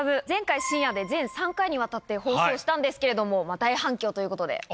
前回、深夜で全３回にわたって放送したんですけれども、大反響ということで。